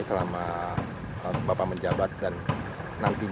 yang kami lakukan itu memberikan kemudahan kemudahan kepada baik itu investor dari dalam negeri